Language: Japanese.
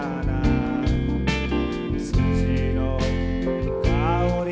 「土の香り